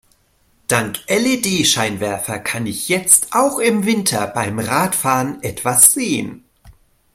Dank LED-Scheinwerfer kann ich jetzt auch im Winter beim Radfahren etwas sehen.